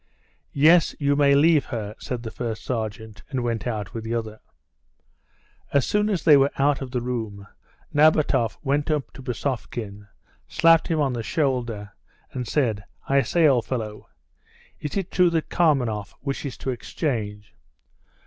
"Yes, you may leave her," said the first sergeant, and went out with the other. As soon as they were out of the room Nabatoff went up to Bousovkin, slapped him on the shoulder, and said: "I say, old fellow, is it true that Karmanoff wishes to exchange?"